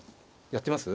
やってみます？